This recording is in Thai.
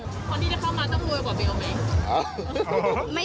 คนที่จะเข้ามาต้องรวยกว่าเบลไหม